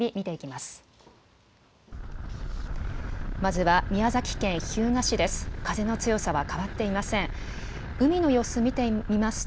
まずは宮崎県日向市です。